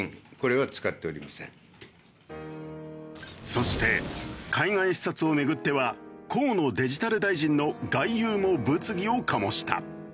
そして海外視察を巡っては河野デジタル大臣の外遊も物議を醸した。